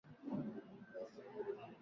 kueneza dini ya kiislamu Hata hivyo lugha